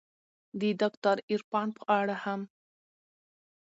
د داکتر عرفان په اړه هم